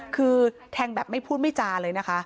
คือแทงแบบไม่พูดไม่จาเลยนะคะ